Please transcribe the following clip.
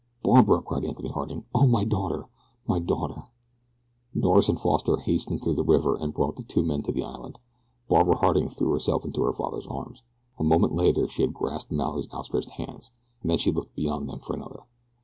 "Barbara!" cried Anthony Harding. "O my daughter! My daughter!" Norris and Foster hastened through the river and brought the two men to the island. Barbara Harding threw herself into her father's arms. A moment later she had grasped Mallory's outstretched hands, and then she looked beyond them for another.